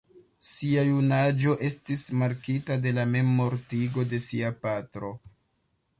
Sia junaĝo estis markita de la memmortigo de sia patro.